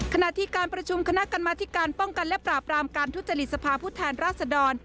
ขณะที่การประชุมคณะกรรมธิการป้องกันและปราบรามการทุจริตสภาพผู้แทนราชดร